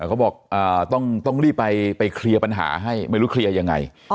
เขาบอกต้องรีบไปเคลียร์ปัญหาให้ไม่รู้เคลียร์ยังไง